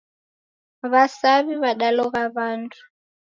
Wasawi wadalogha wandu